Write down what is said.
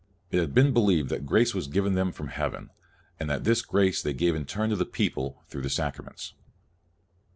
It had been believed that grace was given them from heaven, and that this grace they gave in turn to the people, through the sacraments.